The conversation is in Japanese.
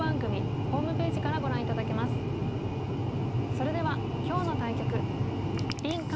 それでは今日の対局林漢